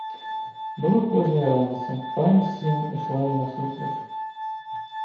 Была позняя раніца, пані з сынам ішла ёй насустрач.